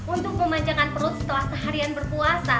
untuk memanjakan perut setelah seharian berpuasa